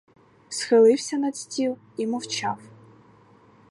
Схилився над стіл і мовчав.